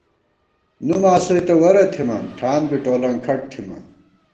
نُو ماسوئےتہ وَرہ تھِمان ٹھان بی ٹولَنگ کھٹ تھِمان